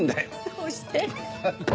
どうして？